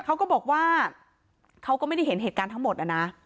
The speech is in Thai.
เขาก็บอกว่าเขาก็ไม่ได้เห็นเหตุการณ์ทั้งหมดนะ